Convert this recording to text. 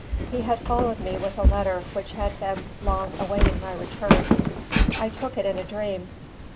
He had followed me with a letter which had been long awaiting my return. I took it in a dream.